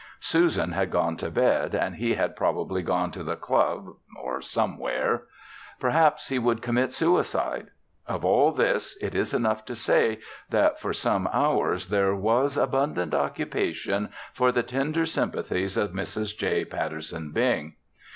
Susan had gone to bed and he had probably gone to the club or somewhere. Perhaps he would commit suicide. Of all this, it is enough to say that for some hours there was abundant occupation for the tender sympathies of Mrs. J. Patterson Bing.